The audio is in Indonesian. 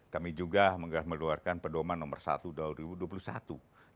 kami juga mengeluarkan pedoman nomor satu tahun dua ribu dua puluh satu